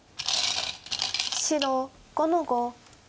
白５の五。